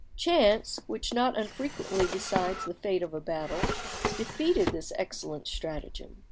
Chance, which not unfrequently decides the fate of a battle, defeated this excellent stratagem.